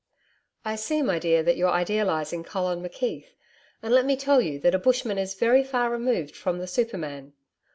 'I see, my dear, that you're idealising Colin McKeith, and let me tell you that a bushman is very far removed from the super man.